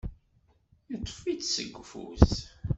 Yeṭṭef-itt seg ufus.